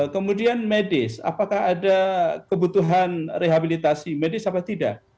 kemudian medis apakah ada kebutuhan rehabilitasi medis apa tidak